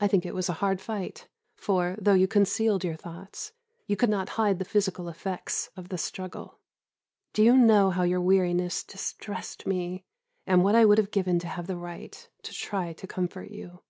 I think it was a hard fight, for, though you concealed your thoughts, you could not hide the physical effects of the struggle. Did you know how your weariness distressed me, and what I would have given to have the right to try to comfort you?